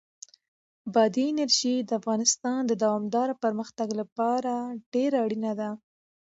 بادي انرژي د افغانستان د دوامداره پرمختګ لپاره ډېر اړین دي.